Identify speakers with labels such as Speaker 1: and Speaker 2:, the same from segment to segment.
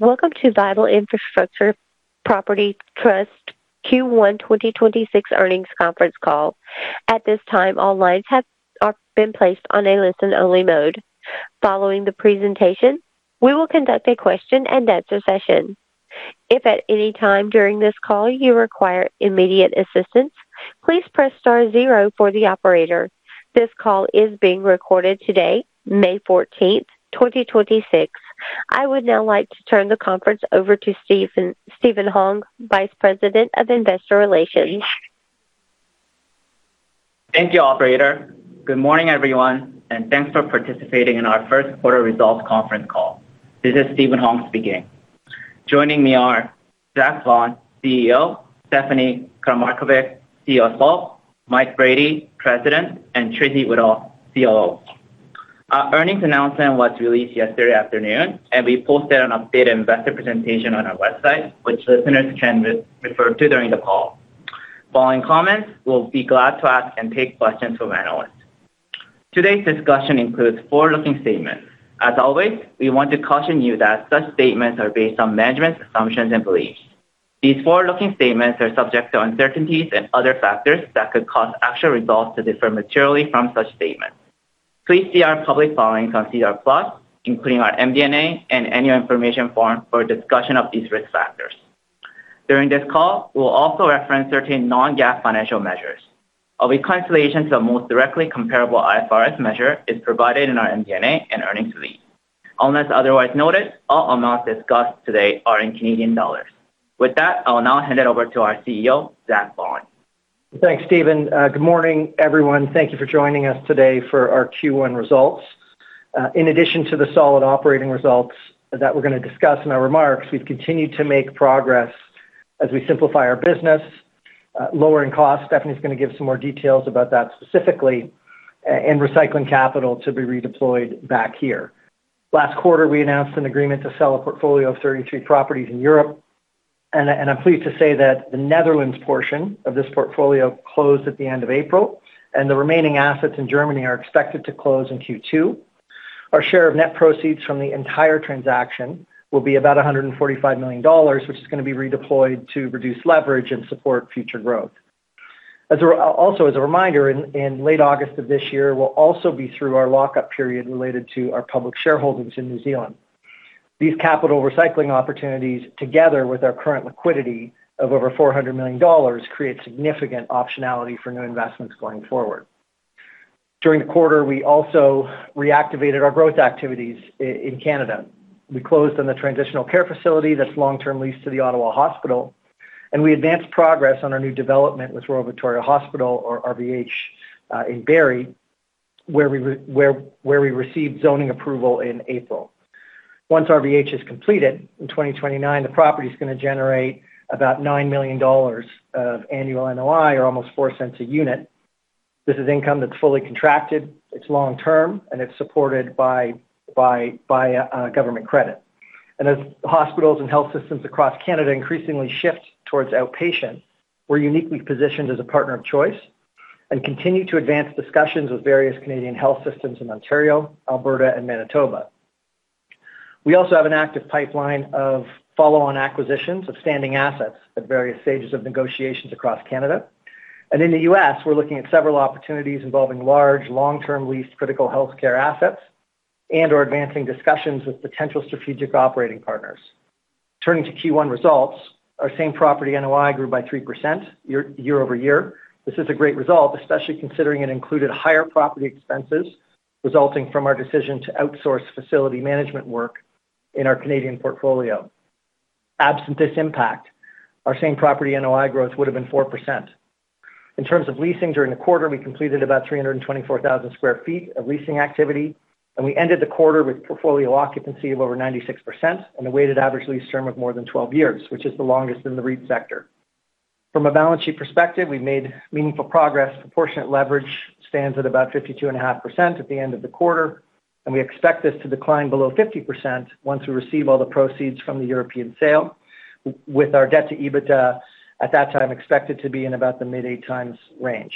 Speaker 1: Welcome to Vital Infrastructure Property Trust Q1 2026 earnings conference call. At this time, all lines have been placed on a listen-only mode. Following the presentation, we will conduct a question-and-answer session. If at any time during this call you require immediate assistance, please press star zero for the operator. This call is being recorded today, May 14 2026. I would now like to turn the conference over to Steven Hong, Vice President of Investor Relations.
Speaker 2: Thank you, operator. Good morning, everyone, and thanks for participating in our first quarter results conference call. This is Steven Hong speaking. Joining me are Zach Vaughan, Chief Executive Officer; Stephanie Karamarkovic, Chief Financial Officer; Mike Brady, President; and Tracey Whittall, Chief Operating Officer. Our earnings announcement was released yesterday afternoon. We posted an updated investor presentation on our website, which listeners can re-refer to during the call. Following comments, we'll be glad to ask and take questions from analysts. Today's discussion includes forward-looking statements. As always, we want to caution you that such statements are based on management assumptions and beliefs. These forward-looking statements are subject to uncertainties and other factors that could cause actual results to differ materially from such statements. Please see our public filings on SEDAR+, including our MD&A and annual information form for a discussion of these risk factors. During this call, we'll also reference certain non-GAAP financial measures. A reconciliation to the most directly comparable IFRS measure is provided in our MD&A and earnings release. Unless otherwise noted, all amounts discussed today are in Canadian dollars. With that, I'll now hand it over to our Chief Executive Officer, Zach Vaughan.
Speaker 3: Thanks, Steven. Good morning, everyone? Thank you for joining us today for our Q1 results. In addition to the solid operating results that we're gonna discuss in our remarks, we've continued to make progress as we simplify our business, lowering costs, Stephanie gonna give some more details about that specifically, and recycling capital to be redeployed back here. Last quarter, we announced an agreement to sell a portfolio of 32 properties in Europe. I'm pleased to say that the Netherlands portion of this portfolio closed at the end of April, and the remaining assets in Germany are expected to close in Q2. Our share of net proceeds from the entire transaction will be about $145 million, which is gonna be redeployed to reduce leverage and support future growth. As a reminder, in late August of this year, we'll also be through our lockup period related to our public shareholdings in New Zealand. These capital recycling opportunities, together with our current liquidity of over $400 million, create significant optionality for new investments going forward. During the quarter, we also reactivated our growth activities in Canada. We closed on the transitional care facility that's long-term leased to The Ottawa Hospital, and we advanced progress on our new development with Royal Victoria Regional Hospital or RVH in Barrie, where we received zoning approval in April. Once RVH is completed in 2029, the property's gonna generate about $9 million of annual NOI or almost $0.04 a unit. This is income that's fully contracted, it's long term, and it's supported by government credit. As hospitals and health systems across Canada increasingly shift towards outpatient, we're uniquely positioned as a partner of choice and continue to advance discussions with various Canadian health systems in Ontario, Alberta, and Manitoba. We also have an active pipeline of follow-on acquisitions of standing assets at various stages of negotiations across Canada. In the U.S., we're looking at several opportunities involving large, long-term leased critical healthcare assets and are advancing discussions with potential strategic operating partners. Turning to Q1 results, our same property NOI grew by 3% year-over-year. This is a great result, especially considering it included higher property expenses resulting from our decision to outsource facility management work in our Canadian portfolio. Absent this impact, our same property NOI growth would've been 4%. In terms of leasing during the quarter, we completed about 324,000 sq ft of leasing activity. We ended the quarter with portfolio occupancy of over 96% and a weighted average lease term of more than 12 years, which is the longest in the REIT sector. From a balance sheet perspective, we've made meaningful progress. Proportionate leverage stands at about 52.5% at the end of the quarter. We expect this to decline below 50% once we receive all the proceeds from the European sale, with our debt to EBITDA at that time expected to be in about the mid 8x range.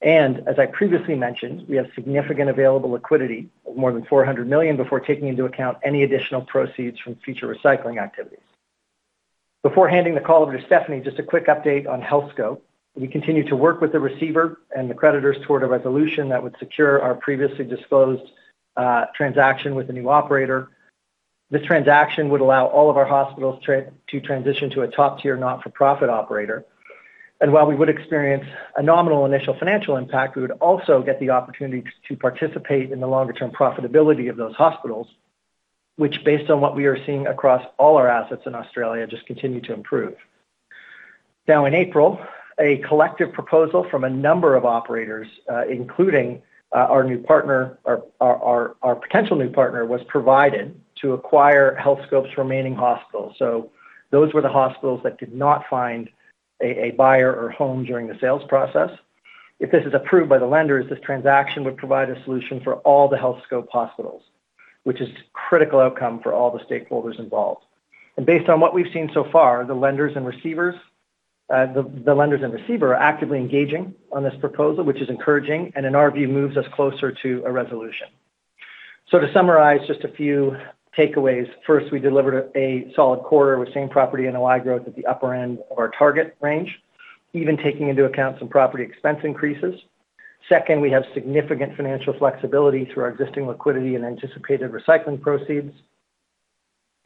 Speaker 3: As I previously mentioned, we have significant available liquidity of more than $400 million before taking into account any additional proceeds from future recycling activities. Before handing the call over to Stephanie, just a quick update on Healthscope. We continue to work with the receiver and the creditors toward a resolution that would secure our previously disclosed transaction with the new operator. This transaction would allow all of our hospitals to transition to a top-tier not-for-profit operator. While we would experience a nominal initial financial impact, we would also get the opportunity to participate in the longer-term profitability of those hospitals, which, based on what we are seeing across all our assets in Australia, just continue to improve. In April, a collective proposal from a number of operators, including our potential new partner, was provided to acquire Healthscope's remaining hospitals. Those were the hospitals that did not find a buyer or home during the sales process. If this is approved by the lenders, this transaction would provide a solution for all the Healthscope hospitals, which is a critical outcome for all the stakeholders involved. Based on what we've seen so far, the lenders and receiver are actively engaging on this proposal, which is encouraging and in our view, moves us closer to a resolution. To summarize just a few takeaways. First, we delivered a solid quarter with same property NOI growth at the upper end of our target range, even taking into account some property expense increases. Second, we have significant financial flexibility through our existing liquidity and anticipated recycling proceeds.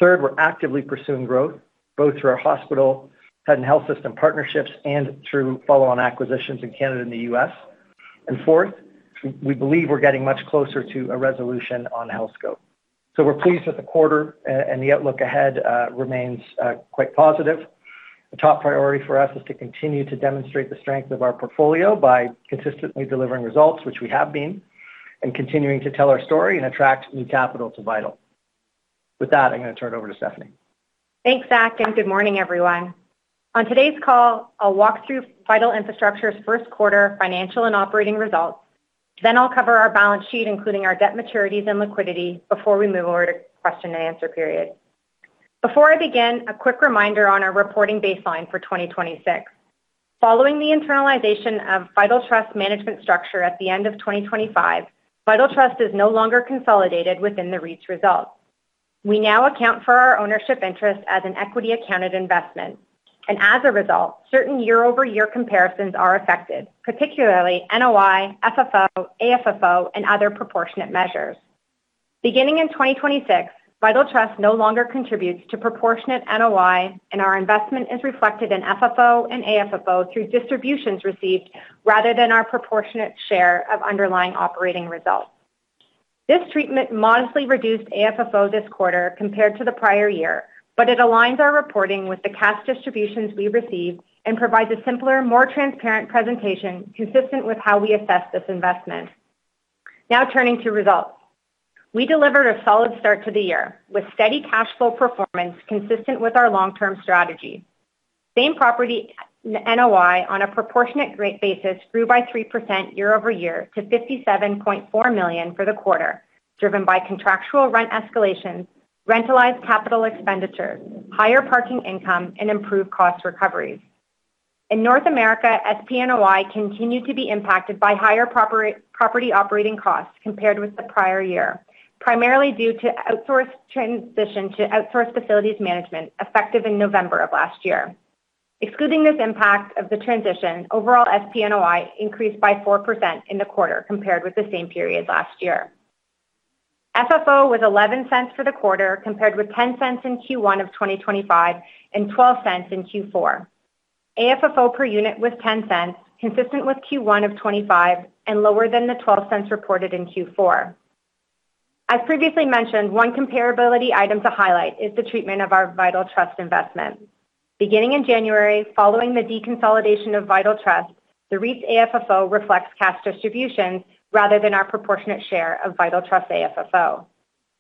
Speaker 3: Third, we're actively pursuing growth, both through our hospital health and health system partnerships and through follow-on acquisitions in Canada and the U.S. Fourth, we believe we're getting much closer to a resolution on Healthscope. We're pleased with the quarter and the outlook ahead, remains quite positive. The top priority for us is to continue to demonstrate the strength of our portfolio by consistently delivering results, which we have been, and continuing to tell our story and attract new capital to Vital. With that, I'm gonna turn it over to Stephanie.
Speaker 4: Thanks, Zach, good morning everyone. On today's call, I'll walk through Vital Infrastructure's first quarter financial and operating results. I'll cover our balance sheet, including our debt maturities and liquidity before we move over to question-and-answer period. Before I begin, a quick reminder on our reporting baseline for 2026. Following the internalization of Vital Trust management structure at the end of 2025, Vital Trust is no longer consolidated within the REIT's results. We now account for our ownership interest as an equity accounted investment. As a result, certain year-over-year comparisons are affected, particularly NOI, FFO, AFFO, and other proportionate measures. Beginning in 2026, Vital Trust no longer contributes to proportionate NOI, and our investment is reflected in FFO and AFFO through distributions received rather than our proportionate share of underlying operating results. This treatment modestly reduced AFFO this quarter compared to the prior year, but it aligns our reporting with the cash distributions we receive and provides a simpler, more transparent presentation consistent with how we assess this investment. Turning to results. We delivered a solid start to the year with steady cash flow performance consistent with our long-term strategy. Same property NOI on a proportionate basis grew by 3% year-over-year to $57.4 million for the quarter, driven by contractual rent escalations, rentalized capital expenditures, higher parking income, and improved cost recoveries. In North America, SPNOI continued to be impacted by higher property operating costs compared with the prior year, primarily due to outsourced transition to outsource facilities management effective in November of last year. Excluding this impact of the transition, overall SPNOI increased by 4% in the quarter compared with the same period last year. FFO was $0.11 for the quarter compared with $0.10 in Q1 of 2025 and $0.12 in Q4. AFFO per unit was $0.10, consistent with Q1 of 2025 and lower than the $0.12 reported in Q4. As previously mentioned, one comparability item to highlight is the treatment of our Vital Trust investment. Beginning in January, following the deconsolidation of Vital Trust, the REIT's AFFO reflects cash distributions rather than our proportionate share of Vital Trust AFFO.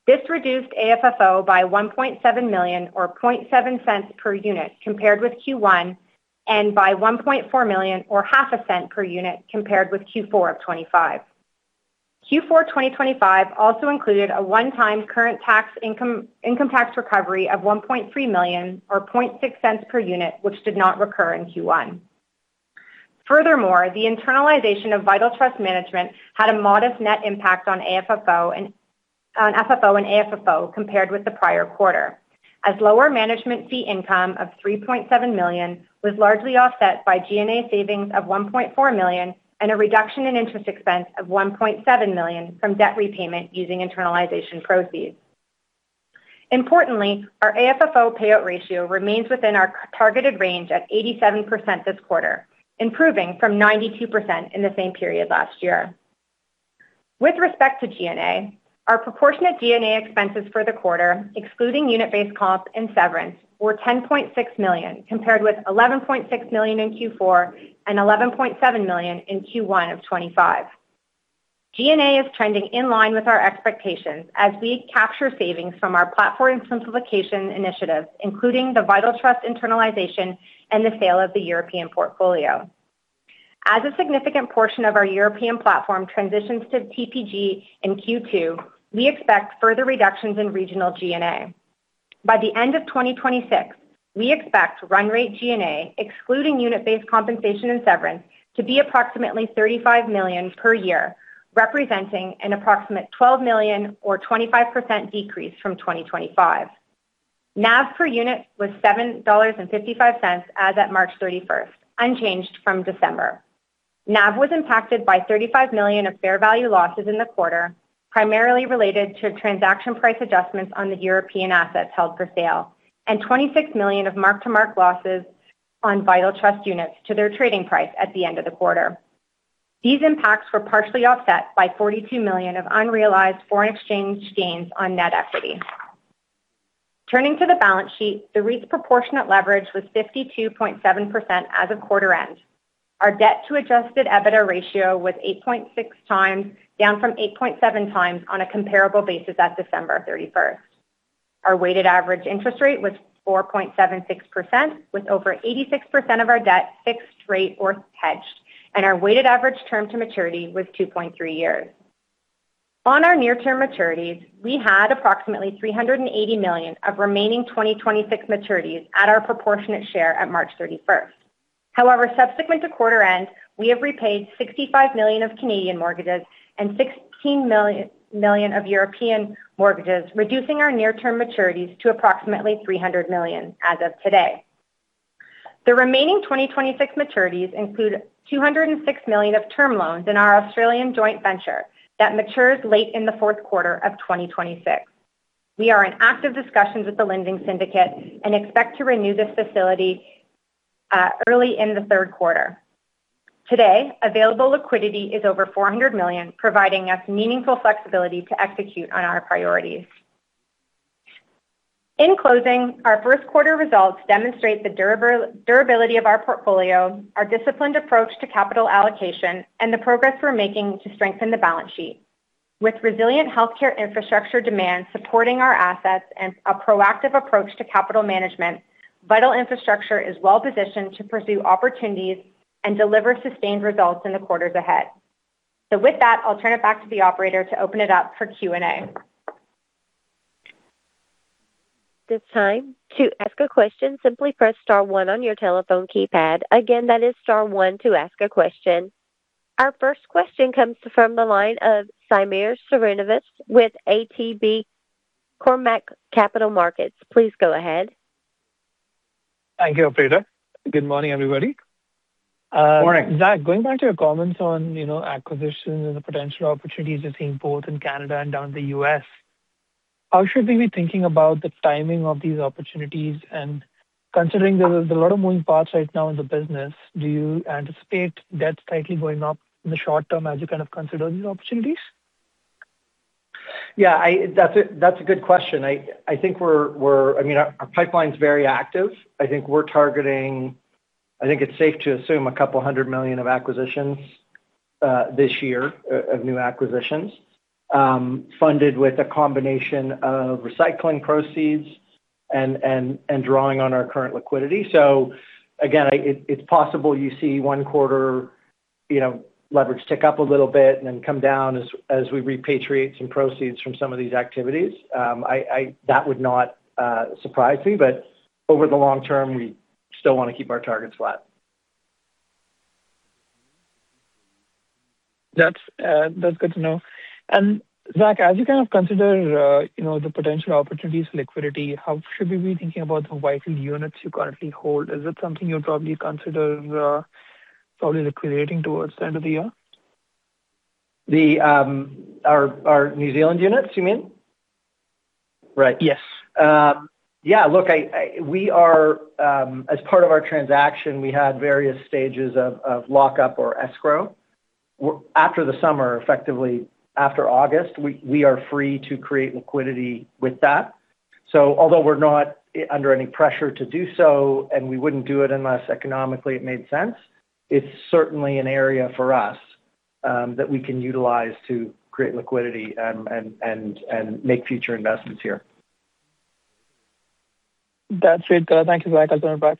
Speaker 4: This reduced AFFO by $1.7 million or $0.007 per unit compared with Q1 and by $1.4 million or $0.005 Per unit compared with Q4 of 2025. Q4 2025 also included a one-time current tax income tax recovery of $1.3 million or $0.006 per unit, which did not recur in Q1. Furthermore, the internalization of Vital Infrastructure Property Trust management had a modest net impact on FFO and AFFO compared with the prior quarter, as lower management fee income of $3.7 million was largely offset by G&A savings of $1.4 million and a reduction in interest expense of $1.7 million from debt repayment using internalization proceeds. Importantly, our AFFO payout ratio remains within our targeted range at 87% this quarter, improving from 92% in the same period last year. With respect to G&A, our proportionate G&A expenses for the quarter, excluding unit-based comp and severance, were $10.6 million compared with $11.6 million in Q4 and $11.7 million in Q1 of 2025. G&A is trending in line with our expectations as we capture savings from our platform simplification initiatives, including the Vital Trust internalization and the sale of the European portfolio. As a significant portion of our European platform transitions to TPG in Q2, we expect further reductions in regional G&A. By the end of 2026, we expect run rate G&A, excluding unit-based compensation and severance, to be approximately $35 million per year, representing an approximate $12 million or 25% decrease from 2025. NAV per unit was $7.55 as of March 31st, unchanged from December. NAV was impacted by $35 million of fair value losses in the quarter, primarily related to transaction price adjustments on the European assets held for sale, and $26 million of mark-to-market losses on Vital Trust units to their trading price at the end of the quarter. These impacts were partially offset by $42 million of unrealized foreign exchange gains on net equity. Turning to the balance sheet, the REIT's proportionate leverage was 52.7% as of quarter end. Our debt to adjusted EBITDA ratio was 8.6x, down from 8.7x on a comparable basis at December 31st. Our weighted average interest rate was 4.76%, with over 86% of our debt fixed rate or hedged, and our weighted average term to maturity was 2.3 years. On our near-term maturities, we had approximately $380 million of remaining 2026 maturities at our proportionate share at March 31st. However, subsequent to quarter end, we have repaid $65 million of Canadian mortgages and $16 million of European mortgages, reducing our near-term maturities to approximately $300 million as of today. The remaining 2026 maturities include $206 million of term loans in our Australian joint venture that matures late in Q4 2026. We are in active discussions with the lending syndicate and expect to renew this facility, early in Q3. Today, available liquidity is over $400 million, providing us meaningful flexibility to execute on our priorities. In closing, our first quarter results demonstrate the durability of our portfolio, our disciplined approach to capital allocation, and the progress we're making to strengthen the balance sheet. With resilient healthcare infrastructure demand supporting our assets and a proactive approach to capital management, Vital Infrastructure is well-positioned to pursue opportunities and deliver sustained results in the quarters ahead. With that, I'll turn it back to the operator to open it up for Q&A.
Speaker 1: This time, to ask a question, simply press star one on your telephone keypad. Again, that is star one to ask a question. Our first question comes from the line of Sairam Srinivas with ATB Cormark Capital Markets, please go ahead.
Speaker 5: Thank you, operator. Good morning, everybody?
Speaker 3: Morning.
Speaker 5: Zach, going back to your comments on, you know, acquisitions and the potential opportunities you're seeing both in Canada and down in the U.S. How should we be thinking about the timing of these opportunities? Considering there's a lot of moving parts right now in the business, do you anticipate debt to EBITDA going up in the short term as you kind of consider these opportunities?
Speaker 3: Yeah, that's a good question. I mean, our pipeline's very active. I think we're targeting, I think it's safe to assume a couple of hundred millions of acquisitions this year of new acquisitions, funded with a combination of recycling proceeds and drawing on our current liquidity. Again, it's possible you see one quarter, you know, leverage tick up a little bit and then come down as we repatriate some proceeds from some of these activities. That would not surprise me. Over the long term, we still wanna keep our targets flat.
Speaker 5: That's, that's good to know. Zach, as you kind of consider, you know, the potential opportunities for liquidity, how should we be thinking about the Whitfield units you currently hold? Is it something you'll probably consider liquidating towards the end of the year?
Speaker 3: The, our New Zealand units, you mean? Right.
Speaker 5: Yes.
Speaker 3: Yeah, look, We are as part of our transaction, we had various stages of lockup or escrow. After the summer, effectively after August, we are free to create liquidity with that. Although we're not under any pressure to do so, and we wouldn't do it unless economically it made sense, it's certainly an area for us that we can utilize to create liquidity, and make future investments here.
Speaker 5: That's it. Thank you, Zach.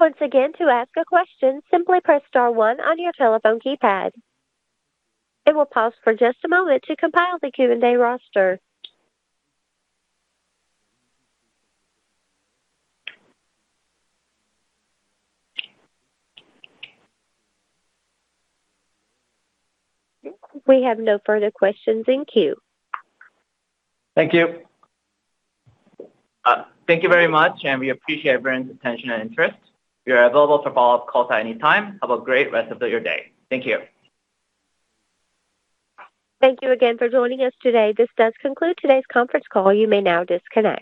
Speaker 1: Once again, to ask a question, simply press star one on your telephone keypad. It will pause for just a moment to compile the Q&A roster. We have no further questions in queue.
Speaker 3: Thank you very much, and we appreciate everyone's attention and interest. We are available for follow-up calls at any time. Have a great rest of your day. Thank you.
Speaker 1: Thank you again for joining us today. This does conclude today's conference call, you may now disconnect.